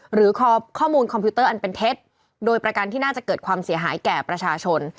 หรือข้อมูลคอมพิวเตอร์อันเป็นเท็จโดยประกันที่น่าจะเกิดความเสียหายแก่ประชาชน